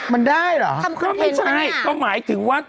มันได้หรอทำท่วงแผนเนี่ยก็ไม่ใช่ก็หมายถึงว่า